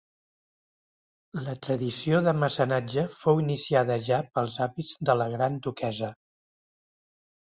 La tradició de mecenatge fou iniciada ja pels avis de la gran duquessa.